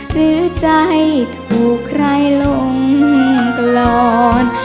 หรือใจถูกใครลงกลอน